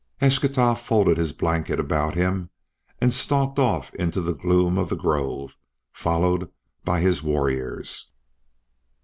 Eschtah folded his blanket about him and stalked off into the gloom of the grove, followed by his warriors.